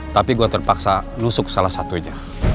tapi gue terpaksa nusuk salah satunya